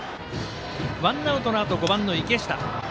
ワンアウトのあと、５番の池下。